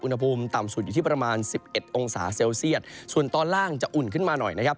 อุณหภูมิต่ำสุดอยู่ที่ประมาณสิบเอ็ดองศาเซลเซียตส่วนตอนล่างจะอุ่นขึ้นมาหน่อยนะครับ